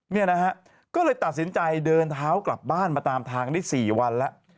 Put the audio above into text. เนี่ยนะฮะก็เลยตัดสินใจเดินเท้ากลับบ้านมาตามทางได้๔วันแล้ว